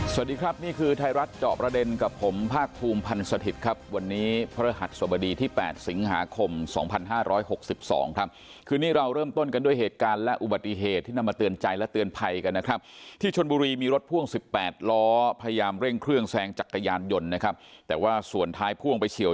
สวัสดีครับนี่คือไทยรัฐเจาะประเด็นกับผมภาคภูมิพันธ์สถิตย์ครับวันนี้พระฤหัสสบดีที่๘สิงหาคม๒๕๖๒ครับคืนนี้เราเริ่มต้นกันด้วยเหตุการณ์และอุบัติเหตุที่นำมาเตือนใจและเตือนภัยกันนะครับที่ชนบุรีมีรถพ่วง๑๘ล้อพยายามเร่งเครื่องแซงจักรยานยนต์นะครับแต่ว่าส่วนท้ายพ่วงไปเฉียว